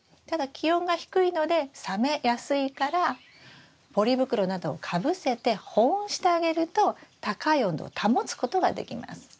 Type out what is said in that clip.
ただ気温が低いので冷めやすいからポリ袋などをかぶせて保温してあげると高い温度を保つことができます。